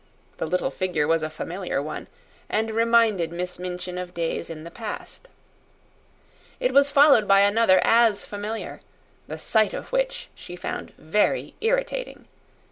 The little figure was a familiar one, and reminded Miss Minchin of days in the past. It was followed by another as familiar the sight of which she found very irritating.